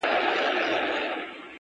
چي پاچا ته خبر راغی تر درباره.!